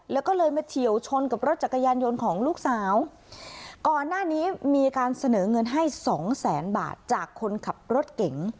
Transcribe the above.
แล้วก็เลยมาเฉียวชนกับรถจักรยานยนต์ของลูกสาวก่อนหน้านี้มีการเสนอเงินให้สองแสนบาทจากคนขับรถเก๋ง